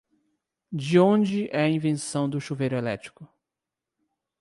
De onde é a invenção do chuveiro elétrico?